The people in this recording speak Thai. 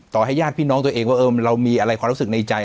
ให้ญาติพี่น้องตัวเองว่าเรามีอะไรความรู้สึกในใจ